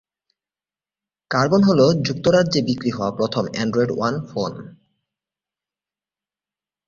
Carbon হ'ল যুক্তরাজ্যে বিক্রি হওয়া প্রথম অ্যান্ড্রয়েড ওয়ান ফোন।